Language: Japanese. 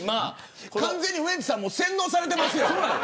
完全にウエンツさん洗脳されてますよ。